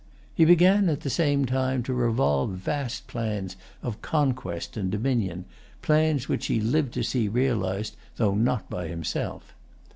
He began, at the same time, to revolve vast plans of conquest and dominion, plans which he lived to see realized, though not by himself.